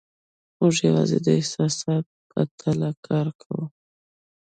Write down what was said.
موږ یوازې د احساساتو په تله کار کوو.